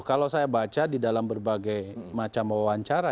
kalau saya baca di dalam berbagai macam wawancara